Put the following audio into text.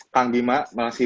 kang bima masih